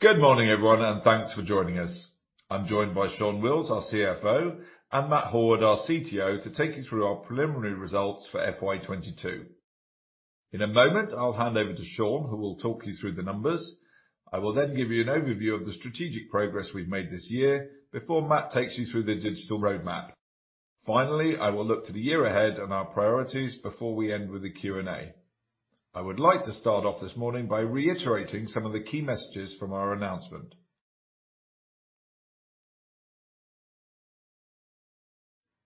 Good morning, everyone, and thanks for joining us. I'm joined by Shaun Wills, our CFO, and Matt Horwood, our CTO, to take you through our preliminary results for FY22. In a moment, I'll hand over to Shaun, who will talk you through the numbers. I will then give you an overview of the strategic progress we've made this year before Matt takes you through the digital roadmap. Finally, I will look to the year ahead and our priorities before we end with the Q&A. I would like to start off this morning by reiterating some of the key messages from our announcement.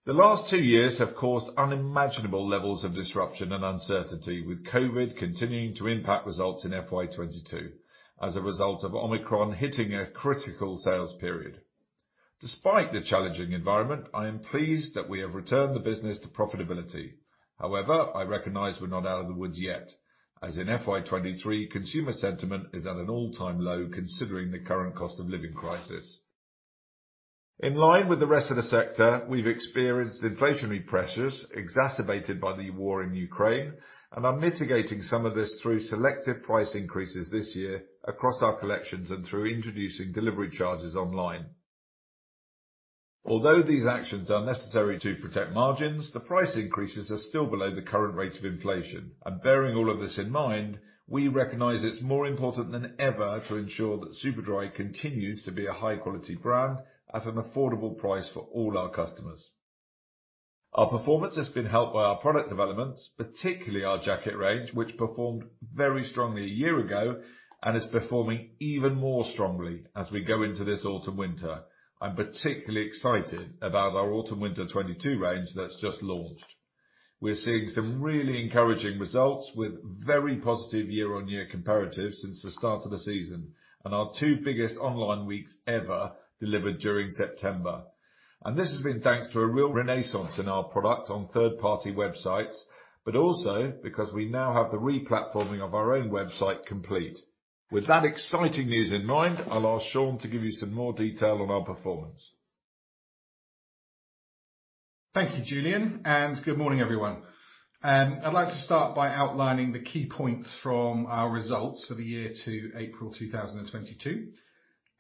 The last two years have caused unimaginable levels of disruption and uncertainty, with COVID continuing to impact results in FY22 as a result of Omicron hitting a critical sales period. Despite the challenging environment, I am pleased that we have returned the business to profitability. However, I recognize we're not out of the woods yet, as in FY23 consumer sentiment is at an all-time low considering the current cost of living crisis. In line with the rest of the sector, we've experienced inflationary pressures exacerbated by the war in Ukraine and are mitigating some of this through selective price increases this year across our collections and through introducing delivery charges online. Although these actions are necessary to protect margins, the price increases are still below the current rate of inflation. Bearing all of this in mind, we recognize it's more important than ever to ensure that Superdry continues to be a high-quality brand at an affordable price for all our customers. Our performance has been helped by our product developments, particularly our jacket range, which performed very strongly a year ago and is performing even more strongly as we go into this autumn/winter. I'm particularly excited about our autumn/winter 22 range that's just launched. We're seeing some really encouraging results with very positive year-on-year comparatives since the start of the season, and our two biggest online weeks ever delivered during September. This has been thanks to a real renaissance in our product on third-party websites, but also because we now have the replatforming of our own website complete. With that exciting news in mind, I'll ask Shaun to give you some more detail on our performance. Thank you, Julian, and good morning, everyone. I'd like to start by outlining the key points from our results for the year to April 2022.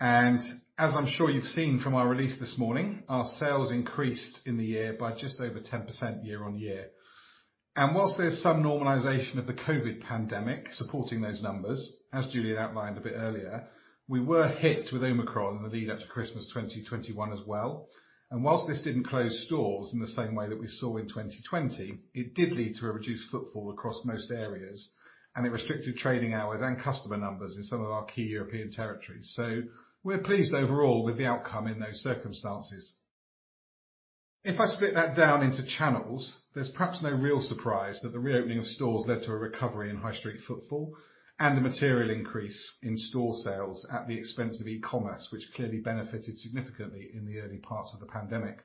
As I'm sure you've seen from our release this morning, our sales increased in the year by just over 10% year-over-year. While there's some normalization of the COVID pandemic supporting those numbers, as Julian outlined a bit earlier, we were hit with Omicron in the lead up to Christmas 2021 as well. While this didn't close stores in the same way that we saw in 2020, it did lead to a reduced footfall across most areas, and it restricted trading hours and customer numbers in some of our key European territories. We're pleased overall with the outcome in those circumstances. If I split that down into channels, there's perhaps no real surprise that the reopening of stores led to a recovery in high street footfall and a material increase in store sales at the expense of e-commerce, which clearly benefited significantly in the early parts of the pandemic.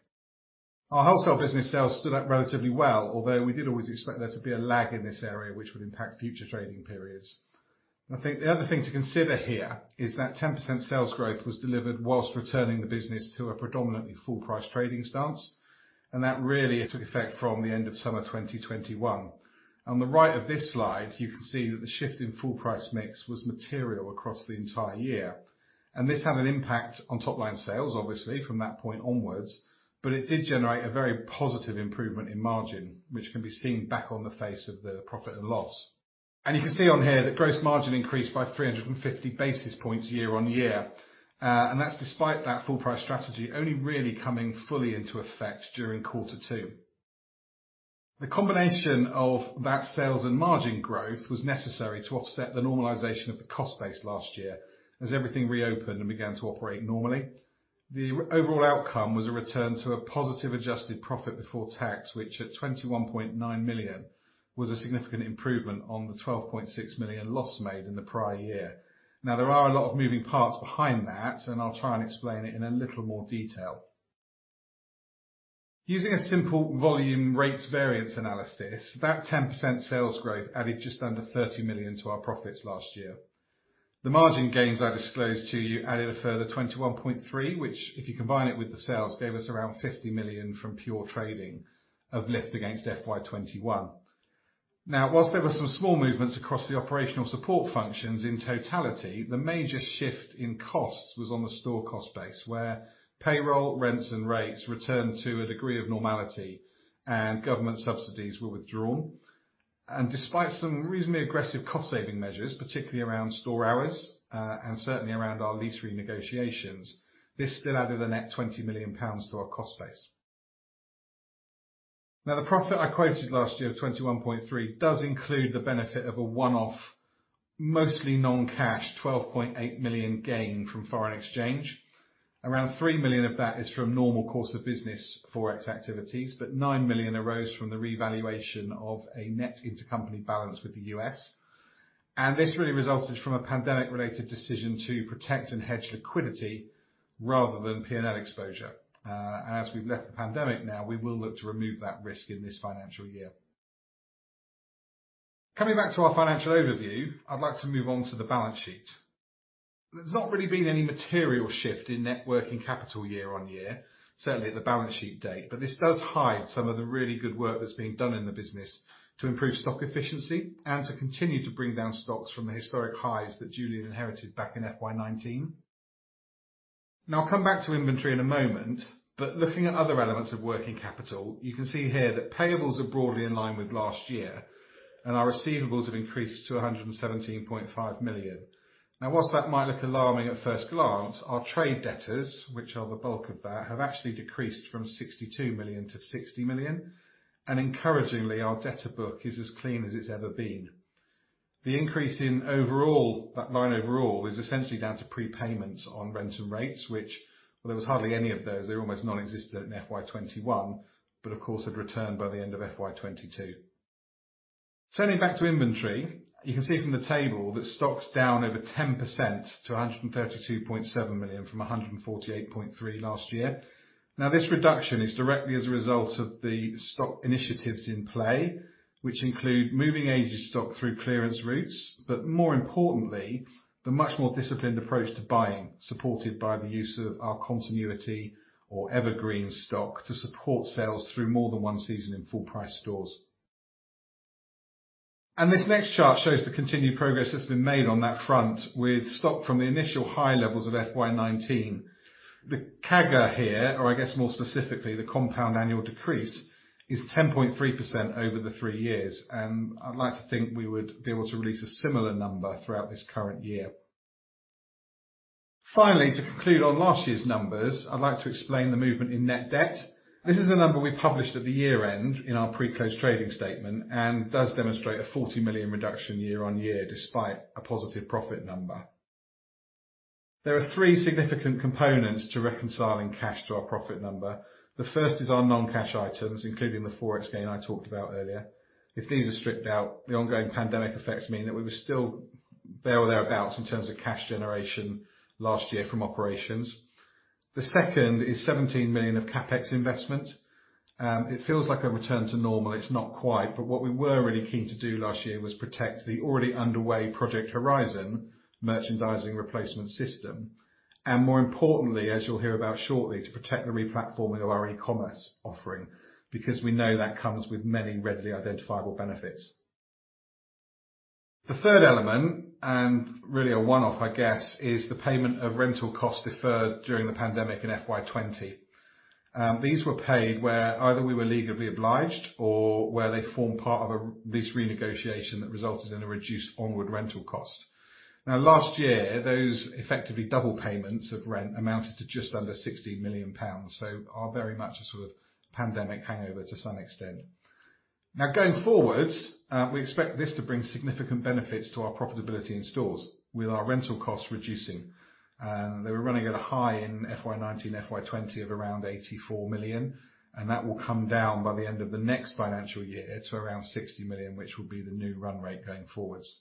Our wholesale business sales stood up relatively well, although we did always expect there to be a lag in this area which would impact future trading periods. I think the other thing to consider here is that 10% sales growth was delivered while returning the business to a predominantly full price trading stance, and that really took effect from the end of summer 2021. On the right of this slide, you can see that the shift in full price mix was material across the entire year, and this had an impact on top line sales obviously from that point onwards, but it did generate a very positive improvement in margin which can be seen back on the face of the profit and loss. You can see on here that gross margin increased by 350 basis points year-on-year. That's despite that full price strategy only really coming fully into effect during quarter two. The combination of that sales and margin growth was necessary to offset the normalization of the cost base last year as everything reopened and began to operate normally. The overall outcome was a return to a positive adjusted profit before tax, which at 21.9 million was a significant improvement on the 12.6 million loss made in the prior year. Now there are a lot of moving parts behind that, and I'll try and explain it in a little more detail. Using a simple volume rate variance analysis, that 10% sales growth added just under 30 million to our profits last year. The margin gains I disclosed to you added a further 21.3 million which, if you combine it with the sales, gave us around 50 million from pure trading uplift against FY21. Now while there were some small movements across the operational support functions in totality, the major shift in costs was on the store cost base where payroll, rents and rates returned to a degree of normality and government subsidies were withdrawn. Despite some reasonably aggressive cost saving measures, particularly around store hours, and certainly around our lease renegotiations, this still added a net 20 million pounds to our cost base. Now the profit I quoted last year of 21.3 million does include the benefit of a one-off mostly non-cash 12.8 million gain from foreign exchange. Around 3 million of that is from normal course of business forex activities, but 9 million arose from the revaluation of a net intercompany balance with the U.S. This really resulted from a pandemic related decision to protect and hedge liquidity rather than P&L exposure. As we've left the pandemic now, we will look to remove that risk in this financial year. Coming back to our financial overview, I'd like to move on to the balance sheet. There's not really been any material shift in net working capital year on year, certainly at the balance sheet date, but this does hide some of the really good work that's being done in the business to improve stock efficiency and to continue to bring down stocks from the historic highs that Julian inherited back in FY19. Now I'll come back to inventory in a moment, but looking at other elements of working capital, you can see here that payables are broadly in line with last year, and our receivables have increased to 117.5 million. While that might look alarming at first glance, our trade debtors, which are the bulk of that, have actually decreased from 62 million to 60 million, and encouragingly, our debtor book is as clean as it's ever been. The increase in overall, that line overall, is essentially down to prepayments on rent and rates which there was hardly any of those. They were almost nonexistent in FY21, of course, have returned by the end of FY22. Turning back to inventory, you can see from the table that stock's down over 10% to 132.7 million from 148.3 million last year. This reduction is directly as a result of the stock initiatives in play, which include moving aged stock through clearance routes, but more importantly, the much more disciplined approach to buying, supported by the use of our continuity or evergreen stock to support sales through more than one season in full price stores. This next chart shows the continued progress that's been made on that front with stock from the initial high levels of FY19. The CAGR here, or I guess more specifically, the compound annual decrease, is 10.3% over the three years, and I'd like to think we would be able to release a similar number throughout this current year. Finally, to conclude on last year's numbers, I'd like to explain the movement in net debt. This is the number we published at the year-end in our pre-close trading statement and does demonstrate a 40 million reduction year-on-year despite a positive profit number. There are three significant components to reconciling cash to our profit number. The first is our non-cash items, including the FX gain I talked about earlier. If these are stripped out, the ongoing pandemic effects mean that we were still there or thereabouts in terms of cash generation last year from operations. The second is 17 million of CapEx investment. It feels like a return to normal. It's not quite, but what we were really keen to do last year was protect the already underway Project Horizon merchandising replacement system, and more importantly, as you'll hear about shortly, to protect the replatforming of our e-commerce offering, because we know that comes with many readily identifiable benefits. The third element, and really a one-off I guess, is the payment of rental costs deferred during the pandemic in FY 20. These were paid where either we were legally obliged or where they formed part of a lease renegotiation that resulted in a reduced onward rental cost. Now last year, those effectively double payments of rent amounted to just under 60 million pounds, so are very much a sort of pandemic hangover to some extent. Now going forwards, we expect this to bring significant benefits to our profitability in stores with our rental costs reducing. They were running at a high in FY 19, FY 20 of around 84 million, and that will come down by the end of the next financial year to around 60 million which will be the new run rate going forwards.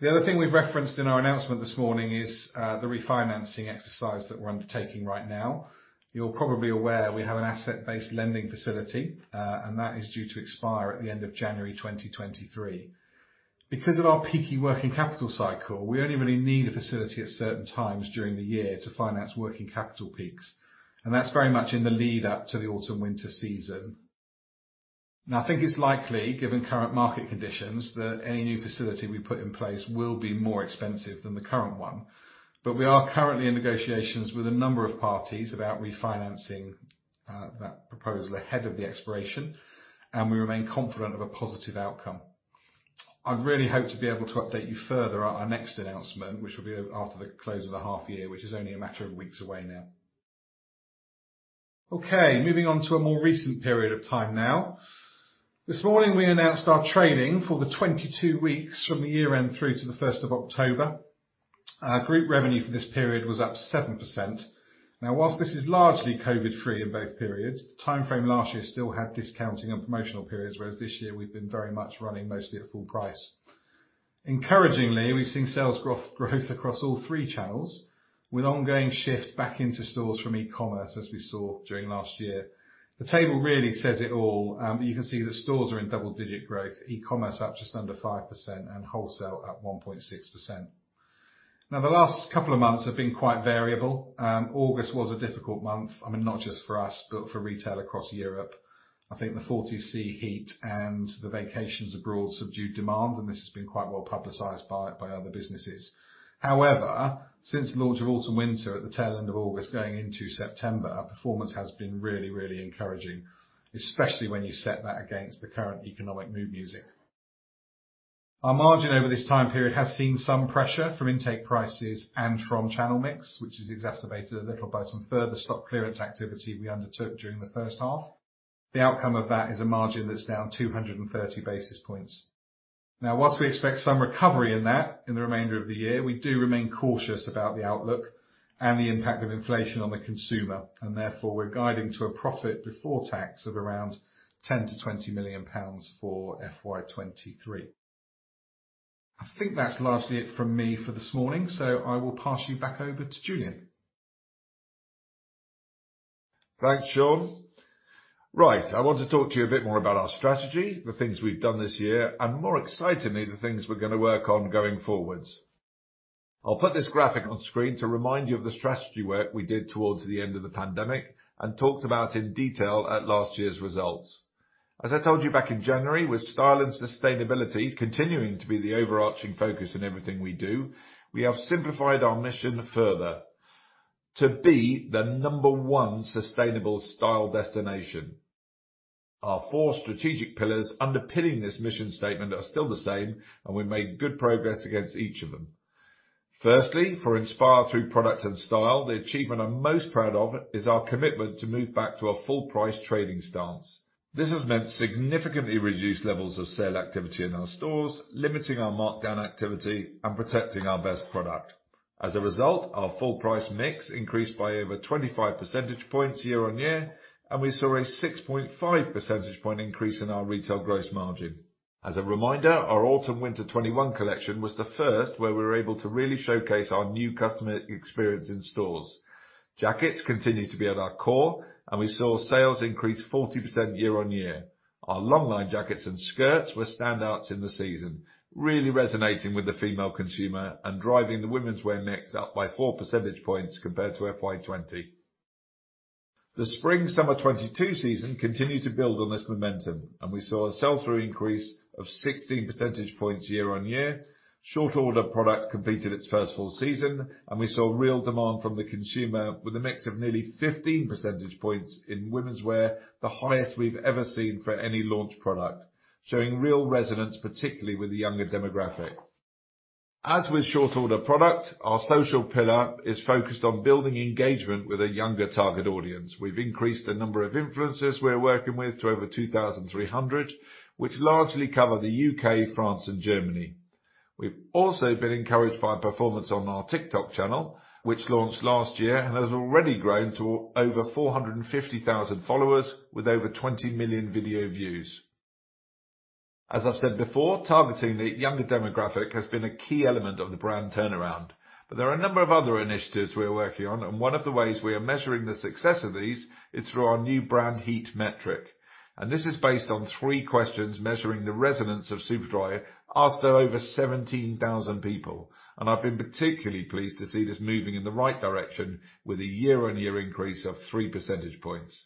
The other thing we've referenced in our announcement this morning is, the refinancing exercise that we're undertaking right now. You're probably aware we have an asset-based lending facility, and that is due to expire at the end of January 2023. Because of our peaky working capital cycle, we only really need a facility at certain times during the year to finance working capital peaks, and that's very much in the lead up to the autumn-winter season. Now I think it's likely, given current market conditions, that any new facility we put in place will be more expensive than the current one, but we are currently in negotiations with a number of parties about refinancing, that proposal ahead of the expiration, and we remain confident of a positive outcome. I really hope to be able to update you further at our next announcement which will be after the close of the half year which is only a matter of weeks away now. Okay, moving on to a more recent period of time now. This morning we announced our trading for the 22 weeks from the year-end through to the first of October. Our group revenue for this period was up 7%. Now while this is largely COVID free in both periods, the timeframe last year still had discounting and promotional periods, whereas this year we've been very much running mostly at full price. Encouragingly, we've seen sales growth across all three channels with ongoing shift back into stores from e-commerce as we saw during last year. The table really says it all. You can see the stores are in double-digit growth, e-commerce up just under 5% and wholesale at 1.6%. Now the last couple of months have been quite variable. August was a difficult month. I mean, not just for us, but for retail across Europe. I think the 40 degrees Celsius heat and the vacations abroad subdued demand, and this has been quite well publicized by other businesses. However, since the launch of autumn winter at the tail end of August going into September, our performance has been really, really encouraging, especially when you set that against the current economic mood music. Our margin over this time period has seen some pressure from intake prices and from channel mix, which is exacerbated a little by some further stock clearance activity we undertook during the first half. The outcome of that is a margin that's down 230 basis points. Now whilst we expect some recovery in that in the remainder of the year, we do remain cautious about the outlook and the impact of inflation on the consumer and therefore we're guiding to a profit before tax of around 10 million-20 million pounds for FY23. I think that's largely it from me for this morning, so I will pass you back over to Julian. Thanks, Shaun. Right. I want to talk to you a bit more about our strategy, the things we've done this year, and more excitingly, the things we're gonna work on going forward. I'll put this graphic on screen to remind you of the strategy work we did towards the end of the pandemic and talked about in detail at last year's results. As I told you back in January, with style and sustainability continuing to be the overarching focus in everything we do, we have simplified our mission further to be the number one sustainable style destination. Our four strategic pillars underpinning this mission statement are still the same, and we made good progress against each of them. Firstly, for inspire through product and style, the achievement I'm most proud of is our commitment to move back to a full price trading stance. This has meant significantly reduced levels of sale activity in our stores, limiting our markdown activity and protecting our best product. As a result, our full price mix increased by over 25 percentage points year-on-year, and we saw a 6.5 percentage point increase in our retail gross margin. As a reminder, our autumn/winter 2021 collection was the first where we were able to really showcase our new customer experience in stores. Jackets continued to be at our core, and we saw sales increase 40% year-on-year. Our long line jackets and skirts were standouts in the season, really resonating with the female consumer and driving the womenswear mix up by 4 percentage points compared to FY 2020. The spring/summer 2022 season continued to build on this momentum, and we saw a sell-through increase of 16 percentage points year-on-year. Short order product completed its first full season, and we saw real demand from the consumer with a mix of nearly 15 percentage points in womenswear, the highest we've ever seen for any launch product, showing real resonance, particularly with the younger demographic. As with short order product, our social pillar is focused on building engagement with a younger target audience. We've increased the number of influencers we're working with to over 2,300, which largely cover the UK, France, and Germany. We've also been encouraged by performance on our TikTok channel, which launched last year and has already grown to over 450,000 followers with over 20 million video views. As I've said before, targeting the younger demographic has been a key element of the brand turnaround. There are a number of other initiatives we're working on, and one of the ways we are measuring the success of these is through our new brand heat metric. This is based on three questions measuring the resonance of Superdry asked to over 17,000 people. I've been particularly pleased to see this moving in the right direction with a year-on-year increase of three percentage points.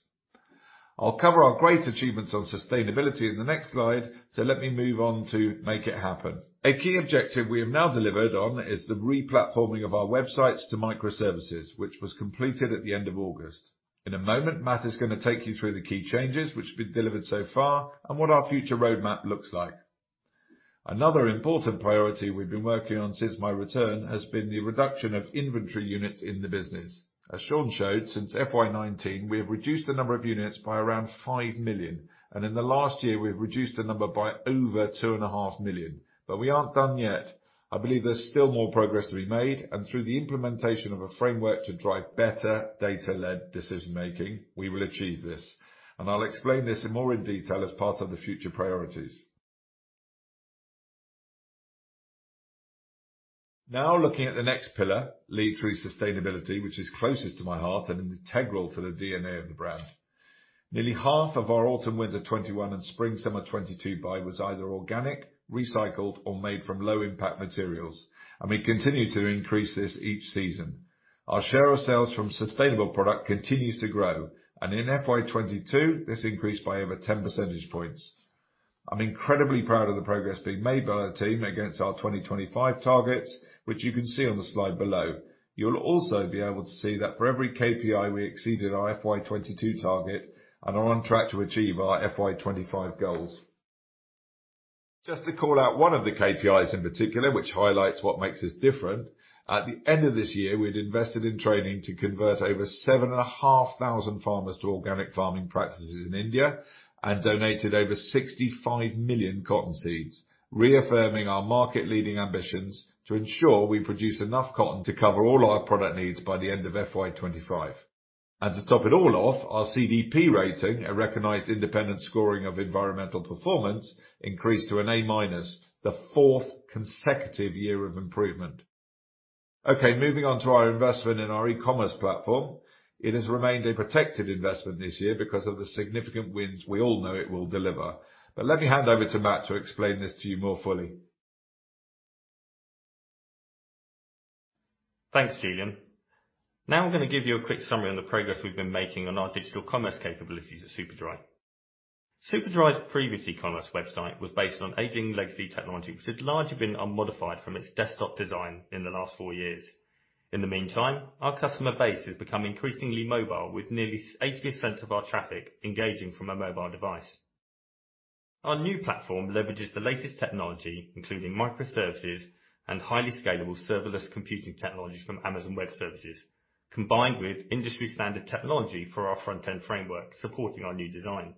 I'll cover our great achievements on sustainability in the next slide, so let me move on to make it happen. A key objective we have now delivered on is the replatforming of our websites to microservices, which was completed at the end of August. In a moment, Matt is gonna take you through the key changes which have been delivered so far and what our future roadmap looks like. Another important priority we've been working on since my return has been the reduction of inventory units in the business. As Shaun showed, since FY19, we have reduced the number of units by around 5 million, and in the last year, we've reduced the number by over 2.5 million. We aren't done yet. I believe there's still more progress to be made, and through the implementation of a framework to drive better data-led decision making, we will achieve this. I'll explain this in more in detail as part of the future priorities. Now looking at the next pillar, lead through sustainability, which is closest to my heart and integral to the DNA of the brand. Nearly half of our autumn winter 21 and spring summer 22 buy was either organic, recycled, or made from low impact materials, and we continue to increase this each season. Our share of sales from sustainable product continues to grow, and in FY 22, this increased by over 10 percentage points. I'm incredibly proud of the progress being made by our team against our 2025 targets, which you can see on the slide below. You'll also be able to see that for every KPI we exceeded our FY 22 target and are on track to achieve our FY 25 goals. Just to call out one of the KPIs in particular, which highlights what makes us different. At the end of this year, we'd invested in training to convert over 7,500 farmers to organic farming practices in India and donated over 65 million cotton seeds, reaffirming our market-leading ambitions to ensure we produce enough cotton to cover all our product needs by the end of FY25. To top it all off, our CDP rating, a recognized independent scoring of environmental performance, increased to an A minus, the fourth consecutive year of improvement. Okay, moving on to our investment in our e-commerce platform. It has remained a protected investment this year because of the significant wins we all know it will deliver. Let me hand over to Matt to explain this to you more fully. Thanks, Julian. Now I'm gonna give you a quick summary on the progress we've been making on our digital commerce capabilities at Superdry. Superdry's previous e-commerce website was based on aging legacy technology which had largely been unmodified from its desktop design in the last four years. In the meantime, our customer base has become increasingly mobile with nearly 80% of our traffic engaging from a mobile device. Our new platform leverages the latest technology, including microservices and highly scalable serverless computing technologies from Amazon Web Services, combined with industry standard technology for our front-end framework supporting our new design.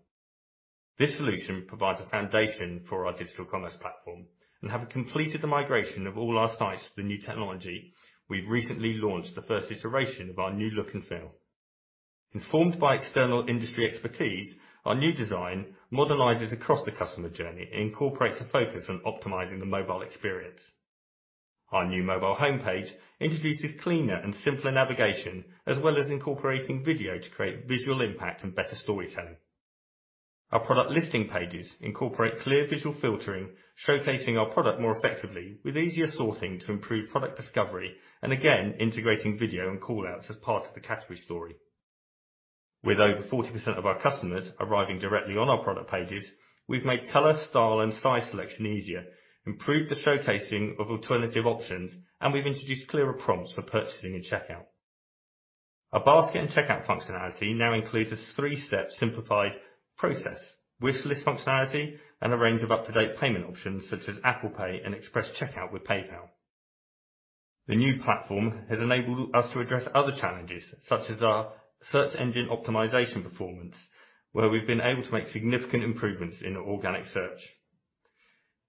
This solution provides a foundation for our digital commerce platform and have completed the migration of all our sites to the new technology. We've recently launched the first iteration of our new look and feel. Informed by external industry expertise, our new design modernizes across the customer journey and incorporates a focus on optimizing the mobile experience. Our new mobile homepage introduces cleaner and simpler navigation, as well as incorporating video to create visual impact and better storytelling. Our product listing pages incorporate clear visual filtering, showcasing our product more effectively with easier searching to improve product discovery, and again, integrating video and callouts as part of the category story. With over 40% of our customers arriving directly on our product pages, we've made color, style, and size selection easier, improved the showcasing of alternative options, and we've introduced clearer prompts for purchasing and checkout. Our basket and checkout functionality now includes a three-step simplified process with list functionality and a range of up-to-date payment options such as Apple Pay and Express Checkout with PayPal. The new platform has enabled us to address other challenges, such as our search engine optimization performance, where we've been able to make significant improvements in organic search.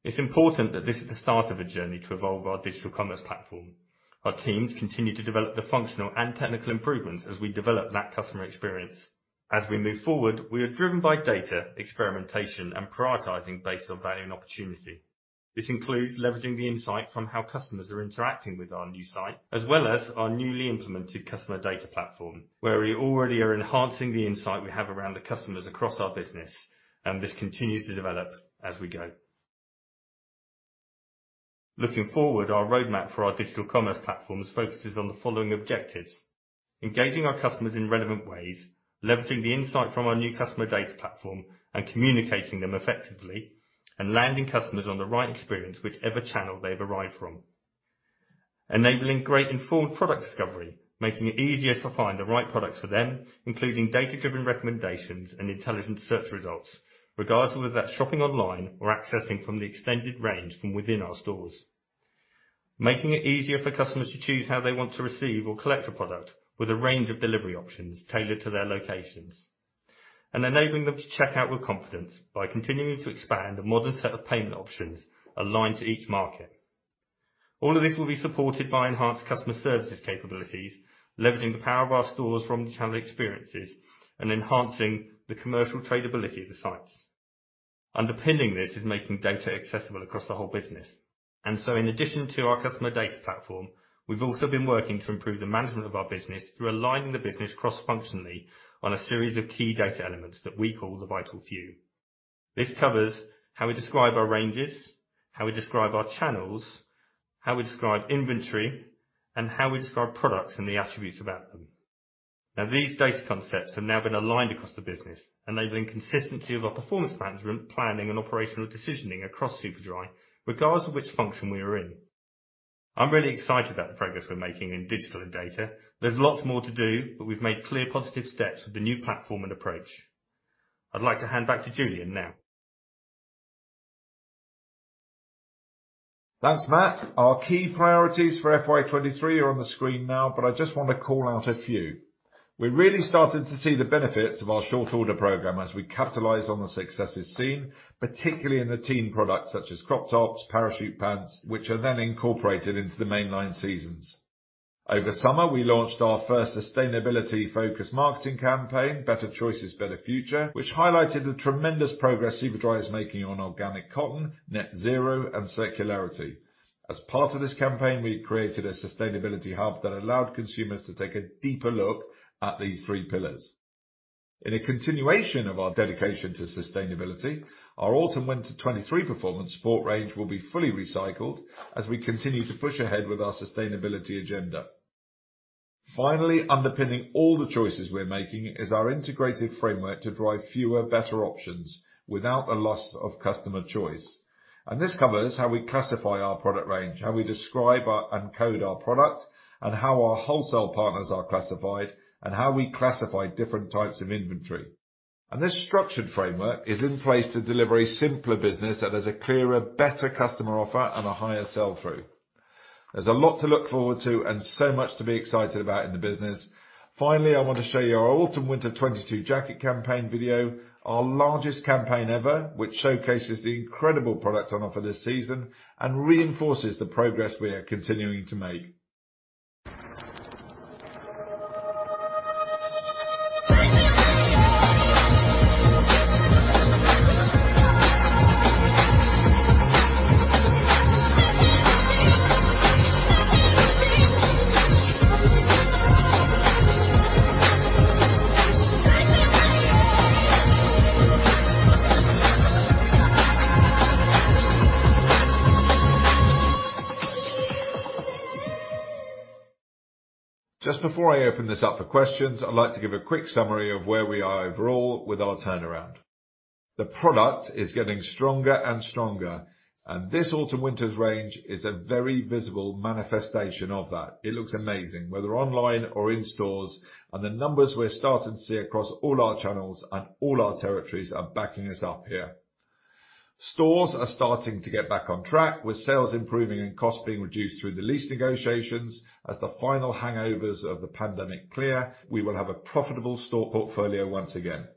It's important that this is the start of a journey to evolve our digital commerce platform. Our teams continue to develop the functional and technical improvements as we develop that customer experience. As we move forward, we are driven by data, experimentation, and prioritizing based on value and opportunity. This includes leveraging the insight from how customers are interacting with our new site, as well as our newly implemented customer data platform, where we already are enhancing the insight we have around the customers across our business, and this continues to develop as we go. Looking forward, our roadmap for our digital commerce platforms focuses on the following objectives, engaging our customers in relevant ways, leveraging the insight from our new customer data platform and communicating them effectively, and landing customers on the right experience whichever channel they've arrived from. Enabling great informed product discovery, making it easier to find the right products for them, including data-driven recommendations and intelligent search results, regardless of whether that's shopping online or accessing from the extended range from within our stores. Making it easier for customers to choose how they want to receive or collect a product with a range of delivery options tailored to their locations. Enabling them to check out with confidence by continuing to expand a modern set of payment options aligned to each market. All of this will be supported by enhanced customer services capabilities, leveraging the power of our stores from the channel experiences and enhancing the commercial tradability of the sites. Underpinning this is making data accessible across the whole business. In addition to our customer data platform, we've also been working to improve the management of our business through aligning the business cross-functionally on a series of key data elements that we call the vital few. This covers how we describe our ranges, how we describe our channels, how we describe inventory, and how we describe products and the attributes about them. Now, these data concepts have now been aligned across the business, enabling consistency of our performance management, planning, and operational decisioning across Superdry, regardless of which function we are in. I'm really excited about the progress we're making in digital and data. There's lots more to do, but we've made clear positive steps with the new platform and approach. I'd like to hand back to Julian now. Thanks, Matt. Our key priorities for FY23 are on the screen now, but I just want to call out a few. We're really starting to see the benefits of our short order program as we capitalize on the successes seen, particularly in the team products such as crop tops, parachute pants, which are then incorporated into the mainline seasons. Over summer, we launched our first sustainability focused marketing campaign, Better Choices Better Future, which highlighted the tremendous progress Superdry is making on organic cotton, net zero, and circularity. As part of this campaign, we created a sustainability hub that allowed consumers to take a deeper look at these three pillars. In a continuation of our dedication to sustainability, our autumn winter 2023 performance sport range will be fully recycled as we continue to push ahead with our sustainability agenda. Finally, underpinning all the choices we're making is our integrated framework to drive fewer, better options without the loss of customer choice. This covers how we classify our product range, how we describe and code our product, and how our wholesale partners are classified, and how we classify different types of inventory. This structured framework is in place to deliver a simpler business that has a clearer, better customer offer and a higher sell-through. There's a lot to look forward to and so much to be excited about in the business. Finally, I want to show you our autumn/winter 22 jacket campaign video, our largest campaign ever, which showcases the incredible product on offer this season and reinforces the progress we are continuing to make. Just before I open this up for questions, I'd like to give a quick summary of where we are overall with our turnaround. The product is getting stronger and stronger, and this autumn winter's range is a very visible manifestation of that. It looks amazing whether online or in stores, and the numbers we're starting to see across all our channels and all our territories are backing us up here. Stores are starting to get back on track with sales improving and costs being reduced through the lease negotiations. As the final hangovers of the pandemic clear, we will have a profitable store portfolio once again.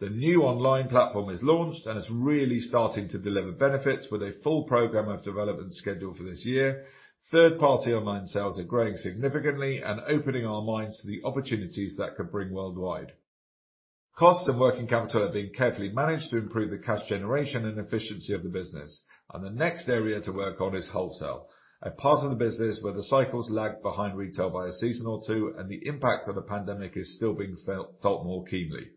The new online platform is launched and is really starting to deliver benefits with a full program of development scheduled for this year. Third-party online sales are growing significantly and opening our minds to the opportunities that could bring worldwide. Costs and working capital are being carefully managed to improve the cash generation and efficiency of the business. The next area to work on is wholesale, a part of the business where the cycles lag behind retail by a season or two, and the impact of the pandemic is still being felt more keenly.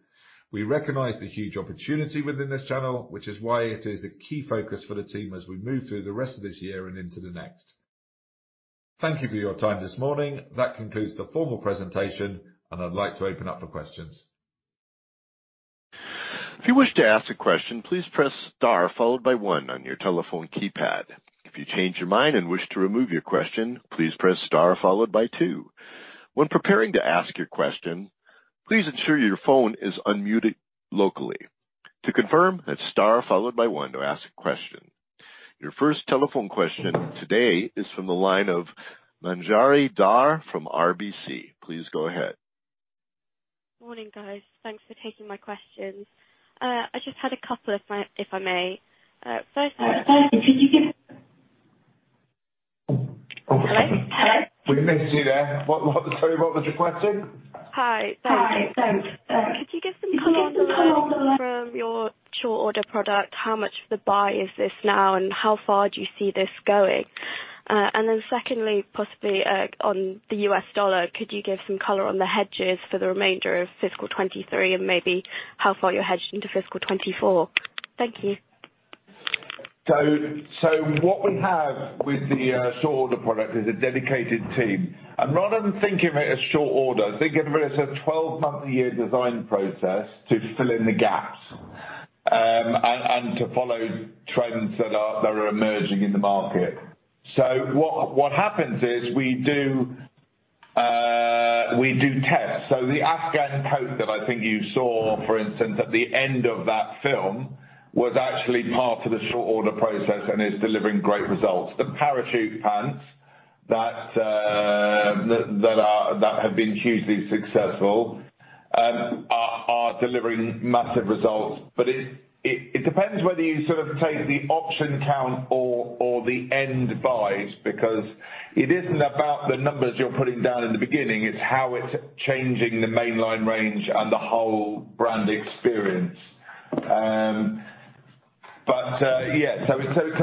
We recognize the huge opportunity within this channel, which is why it is a key focus for the team as we move through the rest of this year and into the next. Thank you for your time this morning. That concludes the formal presentation, and I'd like to open up for questions. If you wish to ask a question, please press Star followed by one on your telephone keypad. If you change your mind and wish to remove your question, please press Star followed by two. When preparing to ask your question, please ensure your phone is unmuted locally. To confirm, hit Star followed by one to ask a question. Your first telephone question today is from the line of Manjari Dhar from RBC. Please go ahead. Morning, guys. Thanks for taking my questions. I just had a couple if I may. First, hello? Hello? We missed you there. Sorry, what was your question? Hi. Thanks. Could you give some color on your short order product? How much of the buy is this now, and how far do you see this going? Secondly, possibly, on the US dollar, could you give some color on the hedges for the remainder of fiscal 2023 and maybe how far you're hedged into fiscal 2024? Thank you. What we have with the short order product is a dedicated team. Rather than thinking of it as short order, think of it as a 12-monthly a year design process to fill in the gaps, and to follow trends that are emerging in the market. What happens is we do tests. The Afghan Coat that I think you saw, for instance, at the end of that film was actually part of the short order process and is delivering great results. The parachute pants that have been hugely successful are delivering massive results. It depends whether you sort of take the option count or the end buys because it isn't about the numbers you're putting down in the beginning. It's how it's changing the mainline range and the whole brand experience. It's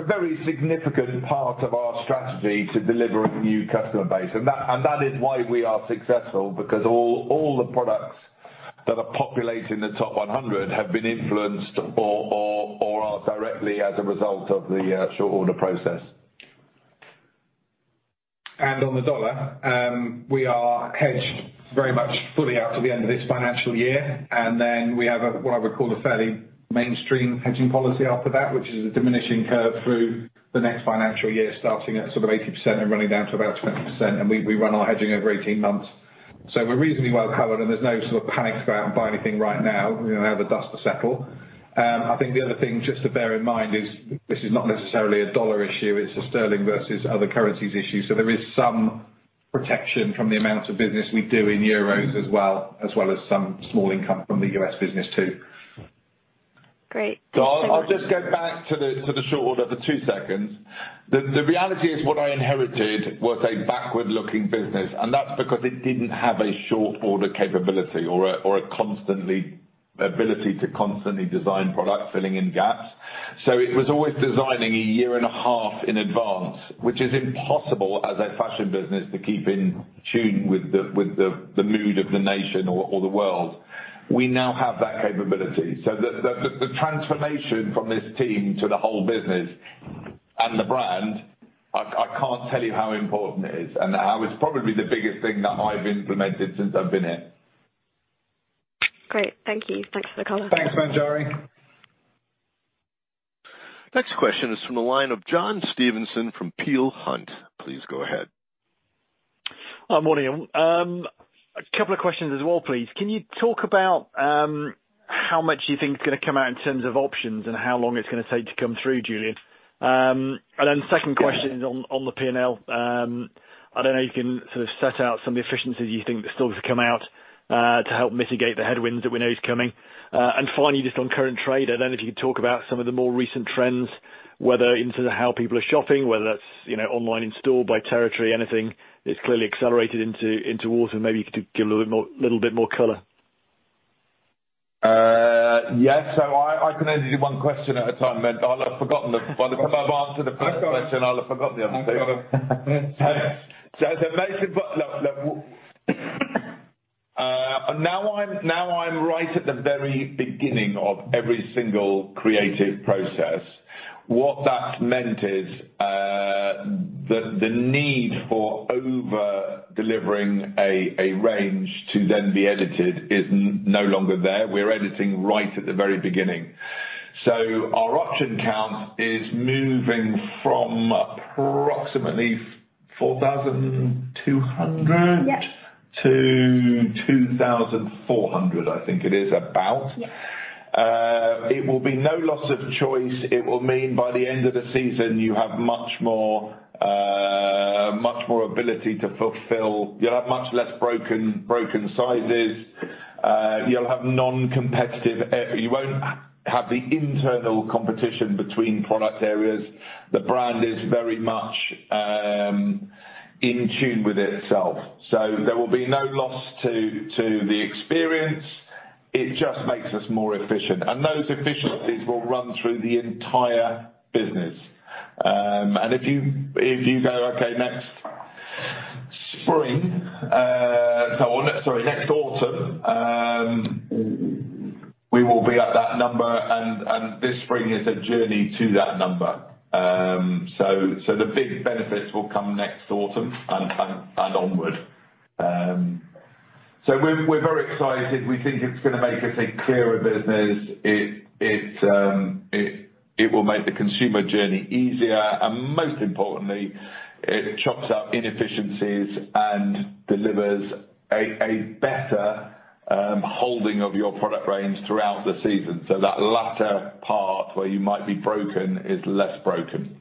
a very significant part of our strategy to deliver a new customer base. That is why we are successful because all the products that are populating the top 100 have been influenced or are directly as a result of the short order process. On the US dollar, we are hedged very much fully out to the end of this financial year. We have what I would call a fairly mainstream hedging policy after that which is a diminishing curve through the next financial year, starting at sort of 80% and running down to about 20%. We run our hedging over 18 months. We're reasonably well covered, and there's no sort of panic to go out and buy anything right now. We're going to let the dust settle. I think the other thing just to bear in mind is this is not necessarily a US dollar issue. It's a sterling versus other currencies issue. There is some protection from the amount of business we do in euros as well as some small income from the US business too. Great. Thanks so much. I'll just go back to the short order for two seconds. The reality is what I inherited was a backward-looking business, and that's because it didn't have a short order capability or a ability to constantly design products filling in gaps. It was always designing a year and a half in advance, which is impossible as a fashion business to keep in tune with the mood of the nation or the world. We now have that capability. The transformation from this team to the whole business and the brand, I can't tell you how important it is and how it's probably the biggest thing that I've implemented since I've been here. Great. Thank you. Thanks for the color. Thanks, Manjari. Next question is from the line of John Stevenson from Peel Hunt. Please go ahead. Good morning. A couple of questions as well, please. Can you talk about how much you think is gonna come out in terms of options and how long it's gonna take to come through, Julian? Second question is on the P&L. I don't know if you can sort of set out some of the efficiencies you think are still going to come out to help mitigate the headwinds that we know is coming. Finally, just on current trade, I don't know if you could talk about some of the more recent trends, whether in terms of how people are shopping, whether that's you know online, in-store, by territory, anything that's clearly accelerated into winter. Maybe you could give a little bit more color. Yes. I can only do one question at a time. By the time I've answered the first question, I'll have forgotten the other two. Got it. As I mentioned before, now I'm right at the very beginning of every single creative process. What that's meant is, the need for over-delivering a range to then be edited is no longer there. We're editing right at the very beginning. Our option count is moving from approximately 4,200- Yes. To 2,400, I think it is about. Yes. It will be no loss of choice. It will mean by the end of the season, you have much more, much more ability to fulfill. You'll have much less broken sizes. You won't have the internal competition between product areas. The brand is very much in tune with itself. There will be no loss to the experience. It just makes us more efficient, and those efficiencies will run through the entire business. If you go, okay, next autumn, we will be at that number, and this spring is a journey to that number. The big benefits will come next autumn and onward. We're very excited. We think it's gonna make us a clearer business. It will make the consumer journey easier, and most importantly, it chops up inefficiencies and delivers a better holding of your product range throughout the season. That latter part where you might be broken is less broken.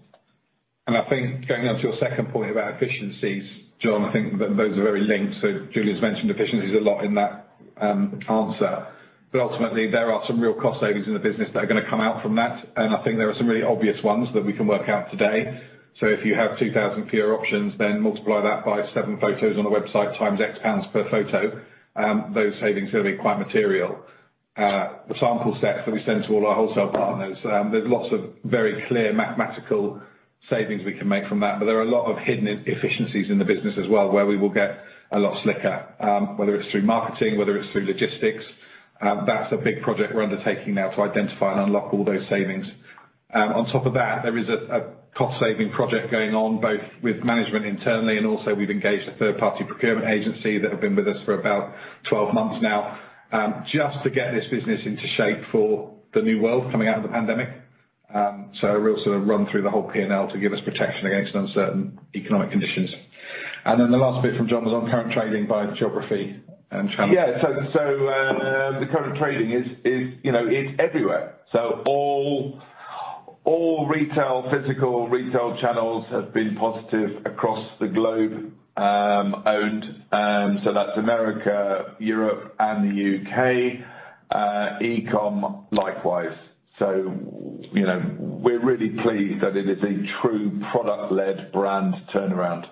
I think going on to your second point about efficiencies, John, I think those are very linked. Julian's mentioned efficiencies a lot in that answer. Ultimately, there are some real cost savings in the business that are gonna come out from that, and I think there are some really obvious ones that we can work out today. If you have 2,000 PO options, then multiply that by seven photos on the website times X GBP per photo, those savings are gonna be quite material. The sample sets that we send to all our wholesale partners, there's lots of very clear mathematical savings we can make from that, but there are a lot of hidden efficiencies in the business as well, where we will get a lot slicker, whether it's through marketing, whether it's through logistics, that's a big project we're undertaking now to identify and unlock all those savings. On top of that, there is a cost-saving project going on, both with management internally and also we've engaged a third-party procurement agency that have been with us for about 12 months now, just to get this business into shape for the new world coming out of the pandemic. A real sort of run through the whole P&L to give us protection against uncertain economic conditions. The last bit from John was on current trading by geography and channel. Yeah. The current trading is, you know, it's everywhere. All retail, physical retail channels have been positive across the globe, owned, so that's America, Europe and the UK, e-com likewise. You know, we're really pleased that it is a true product-led brand turnaround.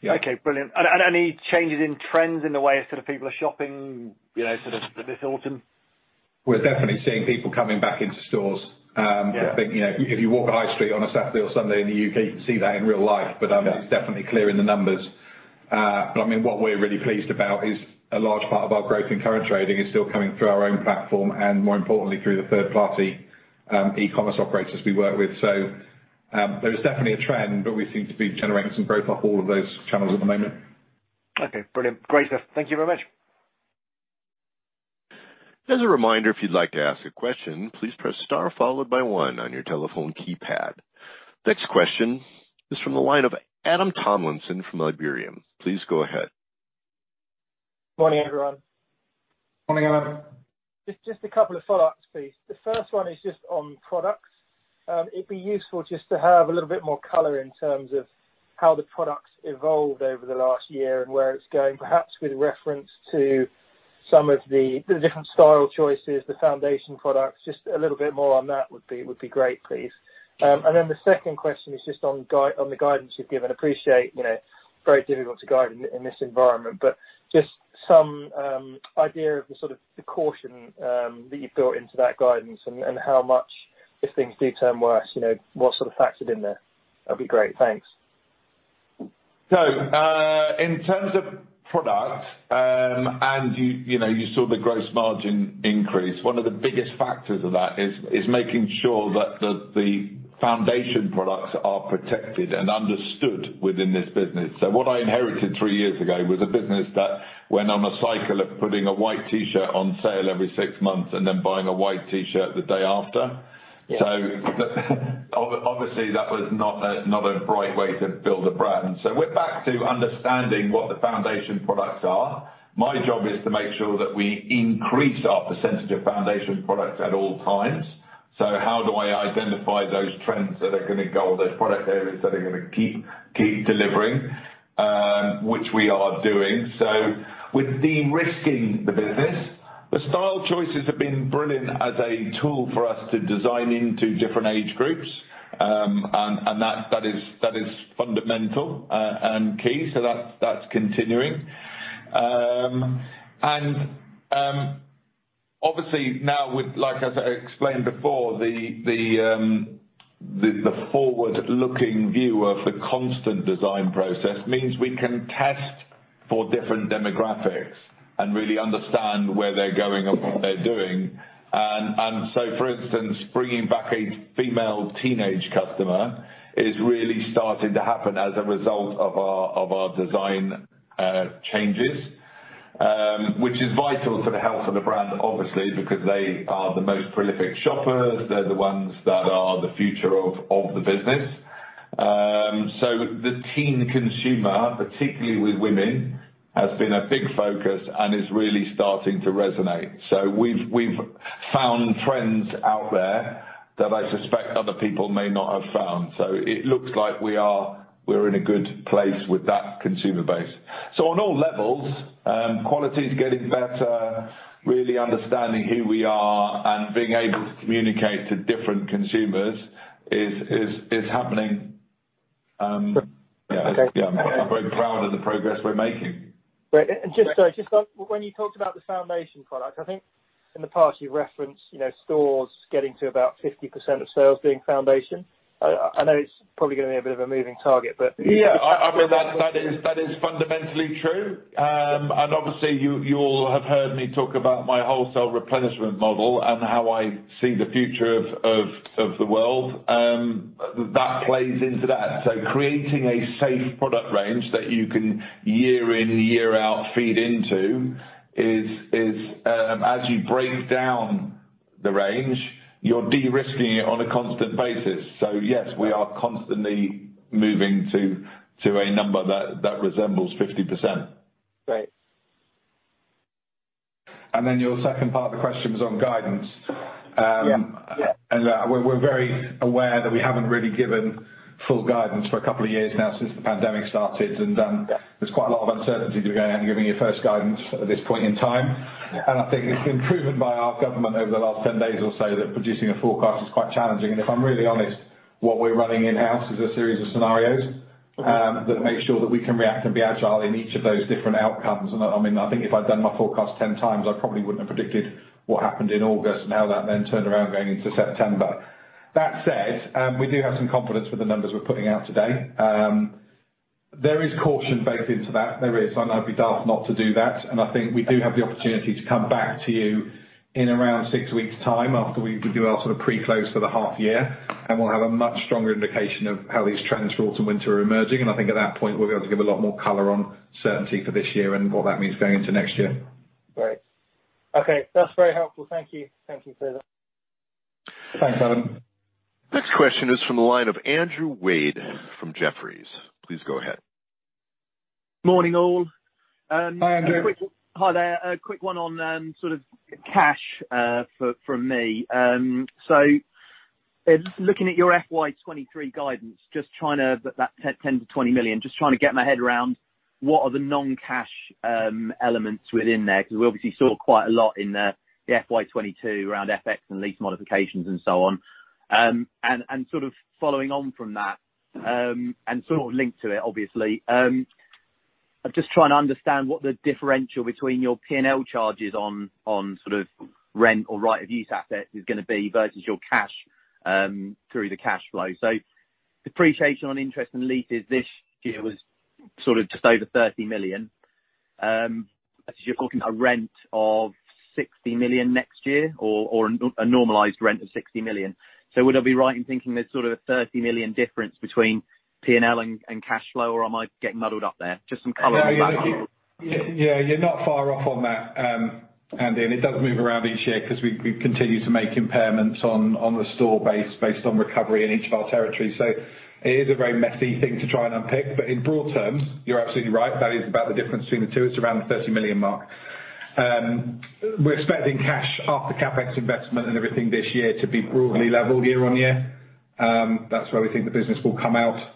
Yeah. Okay. Brilliant. Any changes in trends in the way sort of people are shopping, you know, sort of this autumn? We're definitely seeing people coming back into stores. Yeah. I think, you know, if you walk the high street on a Saturday or Sunday in the UK, you can see that in real life. It's definitely clear in the numbers. I mean, what we're really pleased about is a large part of our growth in current trading is still coming through our own platform and more importantly, through the third party e-commerce operators we work with. There is definitely a trend, but we seem to be generating some growth off all of those channels at the moment. Okay. Brilliant. Great stuff. Thank you very much. As a reminder, if you'd like to ask a question, please press star followed by one on your telephone keypad. Next question is from the line of Adam Tomlinson from Liberum. Please go ahead. Morning, everyone. Morning, Adam. Just a couple of follow-ups, please. The first one is just on products. It'd be useful just to have a little bit more color in terms of how the products evolved over the last year and where it's going, perhaps with reference to some of the different style choices, the foundation products. Just a little bit more on that would be great, please. And then the second question is just on the guidance you've given. Appreciate, you know, very difficult to guide in this environment, but just some idea of the sort of the caution that you've built into that guidance and how much, if things do turn worse, you know, what's sort of factored in there. That'd be great. Thanks. In terms of product, and you know, you saw the gross margin increase, one of the biggest factors of that is making sure that the foundation products are protected and understood within this business. What I inherited three years ago was a business that went on a cycle of putting a white T-shirt on sale every six months and then buying a white T-shirt the day after. Yeah. Obviously, that was not a bright way to build a brand. We're back to understanding what the foundation products are. My job is to make sure that we increase our percentage of foundation products at all times. How do I identify those trends that are gonna go, those product areas that are gonna keep delivering, which we are doing. We're de-risking the business. The style choices have been brilliant as a tool for us to design into different age groups. And that is fundamental and key. That's continuing. And obviously now with like, as I explained before, the forward-looking view of the constant design process means we can test for different demographics and really understand where they're going and what they're doing. For instance, bringing back a female teenage customer is really starting to happen as a result of our design changes, which is vital to the health of the brand, obviously, because they are the most prolific shoppers. They're the ones that are the future of the business. The teen consumer, particularly with women, has been a big focus and is really starting to resonate. We've found trends out there that I suspect other people may not have found. It looks like we're in a good place with that consumer base. On all levels, quality is getting better, really understanding who we are and being able to communicate to different consumers is happening. Yeah, I'm very proud of the progress we're making. Great. Just so when you talked about the foundation product, I think in the past you've referenced, you know, stores getting to about 50% of sales being foundation. I know it's probably gonna be a bit of a moving target, but. Yeah. I mean, that is fundamentally true. Obviously you'll have heard me talk about my wholesale replenishment model and how I see the future of the world that plays into that. Creating a safe product range that you can year in, year out feed into is as you break down the range, you're de-risking it on a constant basis. Yes, we are constantly moving to a number that resembles 50%. Great. Your second part of the question was on guidance. Yeah. We're very aware that we haven't really given full guidance for a couple of years now since the pandemic started and there's quite a lot of uncertainty to go ahead and giving your first guidance at this point in time. I think it's been proven by our government over the last 10 days or so that producing a forecast is quite challenging. If I'm really honest, what we're running in-house is a series of scenarios that make sure that we can react and be agile in each of those different outcomes. I mean, I think if I'd done my forecast 10 times, I probably wouldn't have predicted what happened in August and how that then turned around going into September. That said, we do have some confidence with the numbers we're putting out today. There is caution baked into that. There is, and I'd be daft not to do that. I think we do have the opportunity to come back to you in around six weeks time after we do our sort of pre-close for the half year, and we'll have a much stronger indication of how these trends for autumn/winter are emerging. I think at that point we'll be able to give a lot more color on certainty for this year and what that means going into next year. Great. Okay, that's very helpful. Thank you. Thank you, Shaun Wills. Thanks, Adam Tomlinson. Next question is from the line of Andrew Wade from Jefferies. Please go ahead. Morning, all. Hi, Andrew. Hi there. A quick one on sort of cash from me. Looking at your FY23 guidance, just trying to put that 10-20 million, just trying to get my head around what the non-cash elements within there are, because we obviously saw quite a lot in the FY22 around FX and lease modifications and so on. And sort of following on from that, and sort of linked to it, obviously, I'm just trying to understand what the differential between your P&L charges on sort of rent or right of use assets is gonna be versus your cash through the cash flow. Depreciation on interest and leases this year was sort of just over 30 million. You're talking a rent of 60 million next year or a normalized rent of 60 million. Would I be right in thinking there's sort of a 30 million difference between P&L and cash flow, or am I getting muddled up there? Just some color. Yeah, you're not far off on that, Andy, and it does move around each year 'cause we continue to make impairments on the store base based on recovery in each of our territories. It is a very messy thing to try and unpick. In broad terms, you're absolutely right, that is about the difference between the two. It's around the 30 million mark. We're expecting cash after CapEx investment and everything this year to be broadly level year-over-year. That's where we think the business will come out.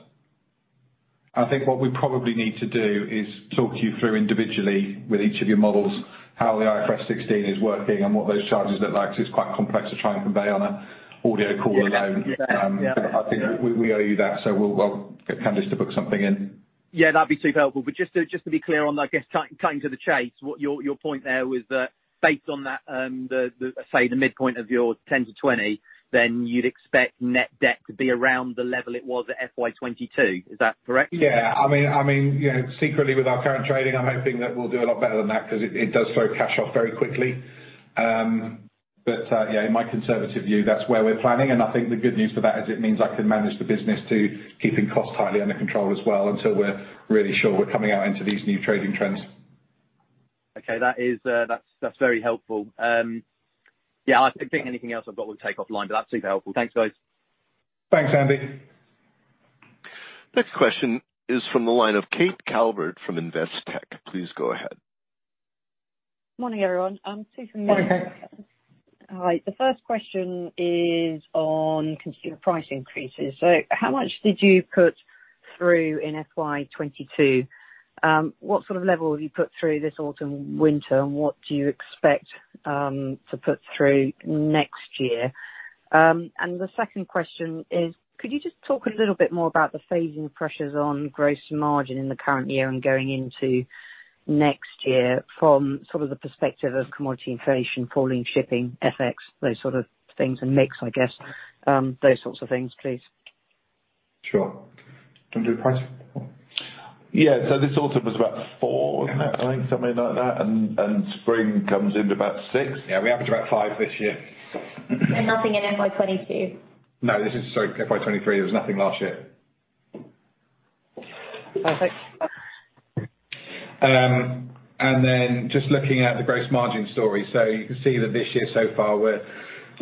I think what we probably need to do is talk you through individually with each of your models, how the IFRS 16 is working and what those charges look like. It's quite complex to try and convey on an audio call alone. Yeah. Yeah. I think we owe you that, so we'll get Candice to book something in. Yeah, that'd be super helpful. Just to be clear on, I guess cutting to the chase, what your point there was that based on that, say the midpoint of your 10-20, then you'd expect net debt to be around the level it was at FY 2022. Is that correct? Yeah. I mean, you know, secretly with our current trading, I'm hoping that we'll do a lot better than that 'cause it does throw cash off very quickly. But yeah, in my conservative view, that's where we're planning and I think the good news for that is it means I can manage the business to keeping costs tightly under control as well, until we're really sure we're coming out into these new trading trends. Okay. That is, that's very helpful. Yeah, I think anything else I've got we'll take offline, but that's super helpful. Thanks, guys. Thanks, Andy. Next question is from the line of Kate Calvert from Investec. Please go ahead. Morning, everyone. Kate Calvert from Investec. Morning, Kate. Hi. The first question is on consumer price increases. How much did you put through in FY22? What sort of level have you put through this autumn/winter, and what do you expect to put through next year? The second question is, could you just talk a little bit more about the phasing pressures on gross margin in the current year and going into next year from sort of the perspective of commodity inflation, falling shipping, FX, those sort of things, and mix, I guess, those sorts of things, please. Sure. Do you want to do price? Yeah. This autumn was about 4%, wasn't it? I think something like that. Spring comes in about 6%. Yeah, we averaged about 5% this year. Nothing in FY 22. No, this is, sorry, FY23. There was nothing last year. Perfect. Just looking at the gross margin story. You can see that this year so far, we're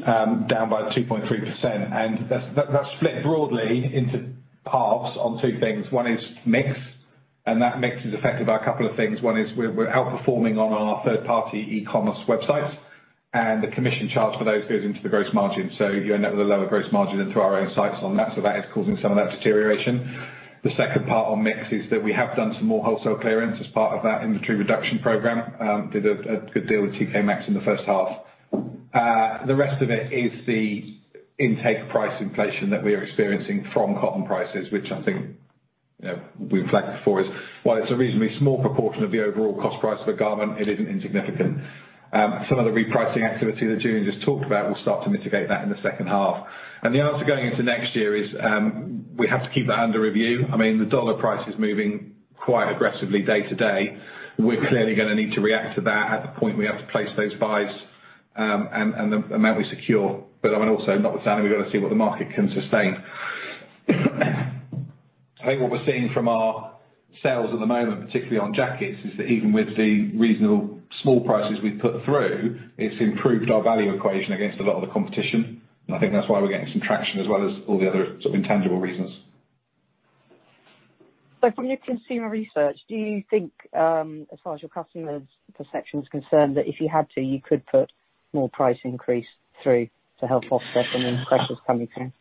down by 2.3%, and that's split broadly into parts on two things. One is mix, and that mix is affected by a couple of things. One is we're outperforming on our third-party e-commerce websites. The commission charge for those goes into the gross margin. You'll end up with a lower gross margin into our own sites on that. That is causing some of that deterioration. The second part on mix is that we have done some more wholesale clearance as part of that inventory reduction program. Did a good deal with TK Maxx in the first half. The rest of it is the input price inflation that we are experiencing from cotton prices, which I think, you know, we've flagged before is while it's a reasonably small proportion of the overall cost price of a garment, it isn't insignificant. Some of the repricing activity that Julian just talked about will start to mitigate that in the second half. The answer going into next year is, we have to keep it under review. I mean, the dollar price is moving quite aggressively day to day. We're clearly gonna need to react to that at the point we have to place those buys, and the amount we secure. I mean, also notwithstanding, we've got to see what the market can sustain. I think what we're seeing from our sales at the moment, particularly on jackets, is that even with the reasonably small prices we've put through, it's improved our value equation against a lot of the competition. I think that's why we're getting some traction as well as all the other sort of intangible reasons. From your consumer research, do you think, as far as your customers' perception is concerned, that if you had to, you could put more price increase through to help offset any pressures coming through?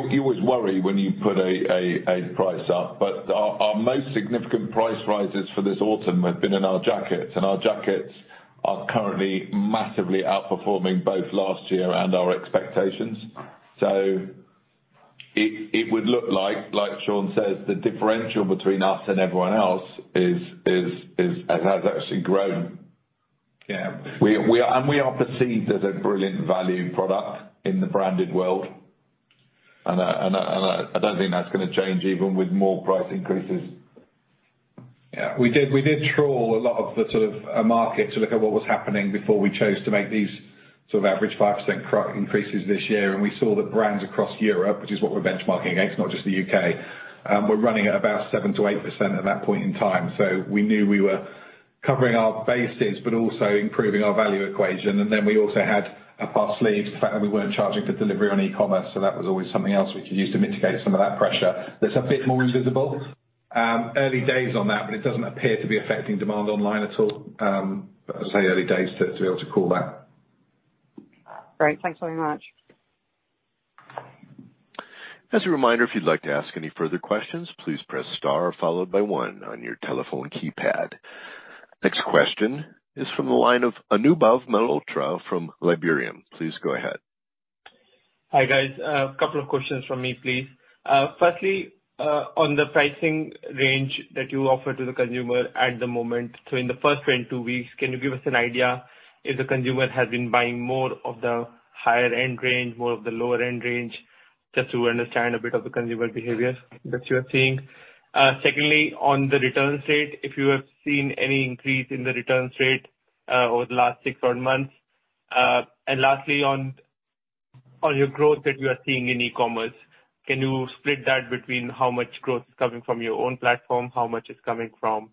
you always worry when you put a price up, but our most significant price rises for this autumn have been in our jackets, and our jackets are currently massively outperforming both last year and our expectations. It would look like Shaun says, the differential between us and everyone else is, it has actually grown. Yeah. We are perceived as a brilliant value product in the branded world, and I don't think that's gonna change even with more price increases. Yeah. We did trawl a lot of the sort of market to look at what was happening before we chose to make these sort of average 5% increases this year, and we saw that brands across Europe, which is what we're benchmarking against, not just the UK, were running at about 7%-8% at that point in time. We knew we were covering our bases but also improving our value equation. We also had up our sleeves the fact that we weren't charging for delivery on e-commerce, so that was always something else we could use to mitigate some of that pressure. That's a bit more invisible. Early days on that, but it doesn't appear to be affecting demand online at all. As I say, early days to be able to call that. Great. Thanks very much. As a reminder, if you'd like to ask any further questions, please press star followed by one on your telephone keypad. Next question is from the line of Anubhav Malhotra from Liberum. Please go ahead. Hi, guys. A couple of questions from me, please. Firstly, on the pricing range that you offer to the consumer at the moment, so in the first 22 weeks, can you give us an idea if the consumer has been buying more of the higher-end range, more of the lower-end range, just to understand a bit of the consumer behavior that you are seeing. Secondly, on the returns rate, if you have seen any increase in the returns rate over the last 6, 12 months. Lastly, on your growth that you are seeing in e-commerce, can you split that between how much growth is coming from your own platform, how much is coming from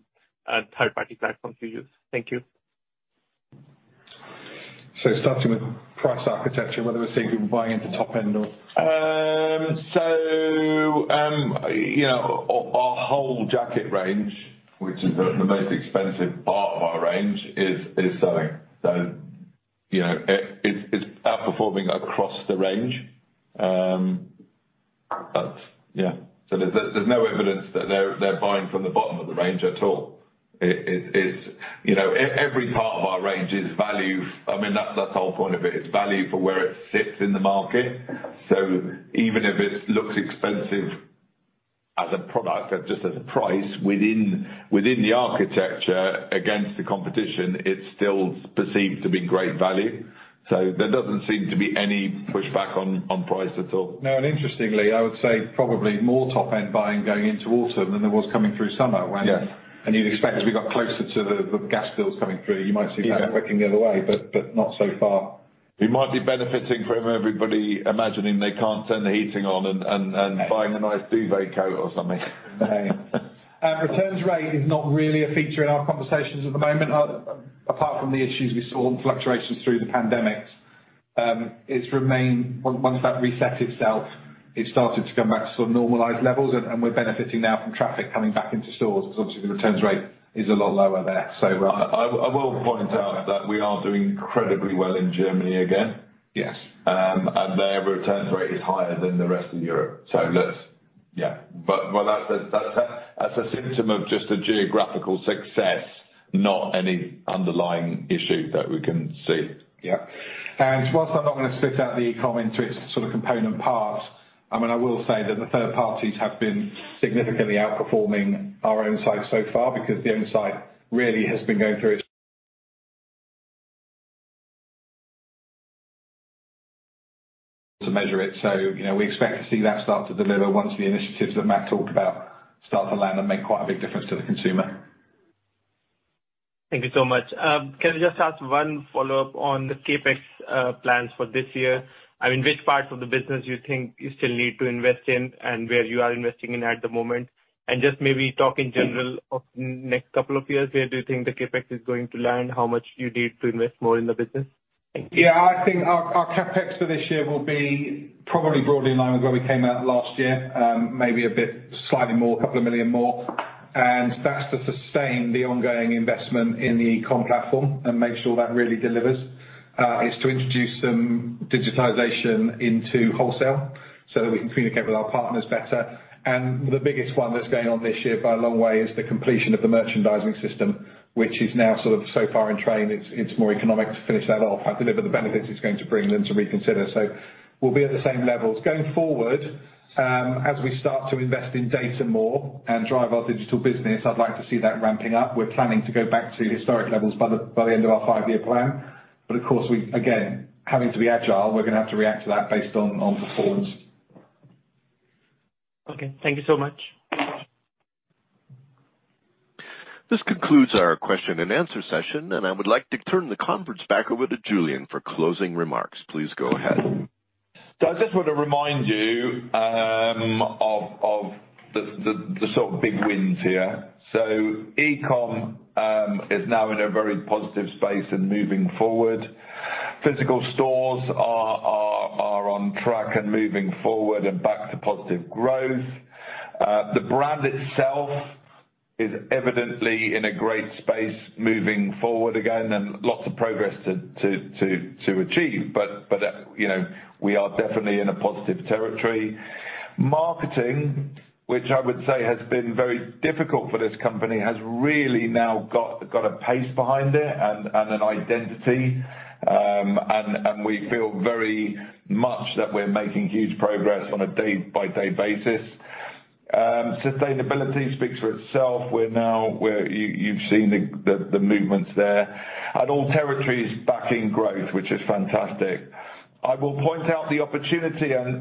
third-party platforms you use? Thank you. Starting with price architecture, whether we're seeing people buying into top-end or You know, our whole jacket range, which is the most expensive part of our range, is selling. You know, it's outperforming across the range. That's. Yeah. There's no evidence that they're buying from the bottom of the range at all. It's, you know, every part of our range is value. I mean, that's the whole point of it. It's value for where it sits in the market. Even if it looks expensive as a product, just as a price, within the architecture against the competition, it's still perceived to be great value. There doesn't seem to be any pushback on price at all. No, interestingly, I would say probably more top-end buying going into autumn than there was coming through summer when Yeah. You'd expect as we got closer to the gas bills coming through, you might see that working the other way. But not so far. We might be benefiting from everybody imagining they can't turn the heating on and buying a nice duvet coat or something. Maybe. Returns rate is not really a feature in our conversations at the moment. Apart from the issues we saw and fluctuations through the pandemic, it's remained. Once that reset itself, it started to come back to sort of normalized levels, and we're benefiting now from traffic coming back into stores because obviously the returns rate is a lot lower there. I will point out that we are doing incredibly well in Germany again. Yes. Their returns rate is higher than the rest of Europe. That's, yeah. Well, that's a symptom of just the geographical success, not any underlying issue that we can see. Yeah. While I'm not gonna split out the e-com into its sort of component parts, I mean, I will say that the third parties have been significantly outperforming our own site so far because the own site really has been going through its. You know, we expect to see that start to deliver once the initiatives that Matt talked about start to land and make quite a big difference to the consumer. Thank you so much. Can I just ask one follow-up on the CapEx, plans for this year? I mean, which parts of the business you think you still need to invest in and where you are investing in at the moment? Just maybe talk in general of next couple of years, where do you think the CapEx is going to land? How much do you need to invest more in the business? Yeah, I think our CapEx for this year will be probably broadly in line with where we came out last year, maybe a bit slightly more, 2 million more. That's to sustain the ongoing investment in the e-com platform and make sure that really delivers. It's to introduce some digitization into wholesale so that we can communicate with our partners better. The biggest one that's going on this year by a long way is the completion of the merchandising system, which is now sort of so far in train. It's more economic to finish that off and deliver the benefits it's going to bring than to reconsider. We'll be at the same levels. Going forward, as we start to invest in data more and drive our digital business, I'd like to see that ramping up. We're planning to go back to historic levels by the end of our five-year plan, but of course, we again, having to be agile, we're gonna have to react to that based on performance. Okay, thank you so much. This concludes our question and answer session, and I would like to turn the conference back over to Julian for closing remarks. Please go ahead. I just wanna remind you of the sort of big wins here. e-com is now in a very positive space and moving forward. Physical stores are on track and moving forward and back to positive growth. The brand itself is evidently in a great space moving forward again and lots of progress to achieve, but you know, we are definitely in a positive territory. Marketing, which I would say has been very difficult for this company, has really now got a pace behind it and an identity. We feel very much that we're making huge progress on a day-by-day basis. Sustainability speaks for itself. We're now. You've seen the movements there. All territories back in growth, which is fantastic. I will point out the opportunity and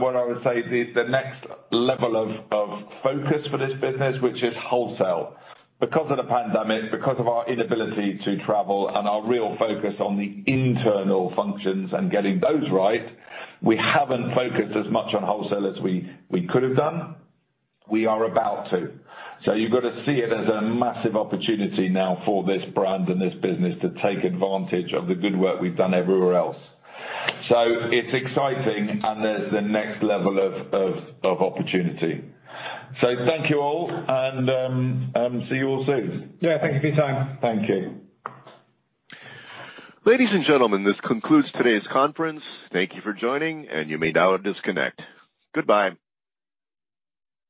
what I would say is the next level of focus for this business, which is wholesale. Because of the pandemic, because of our inability to travel and our real focus on the internal functions and getting those right, we haven't focused as much on wholesale as we could have done. We are about to. You've got to see it as a massive opportunity now for this brand and this business to take advantage of the good work we've done everywhere else. It's exciting and there's the next level of opportunity. Thank you all and see you all soon. Yeah, thank you for your time. Thank you. Ladies and gentlemen, this concludes today's conference. Thank you for joining, and you may now disconnect. Goodbye.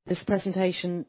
This presentation.